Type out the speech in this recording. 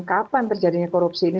kapan terjadinya korupsi ini